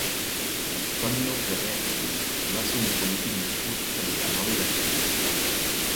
Antonio Ferrer i Pi va ser un polític nascut a Vilanova i la Geltrú.